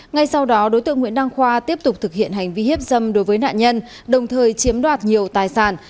ngay sau đó đối tượng nguyễn đăng khoa tiếp tục thực hiện hành vi hiếp dâm đối với nạn nhân đồng thời chiếm đoạt nhiều tài sản